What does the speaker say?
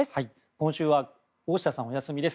今週は大下さんがお休みです。